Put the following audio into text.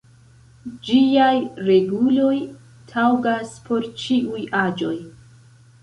Ĝiaj reguloj taŭgas por ĉiuj aĝoj.